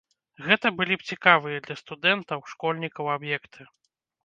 Гэта былі б цікавыя для студэнтаў, школьнікаў аб'екты.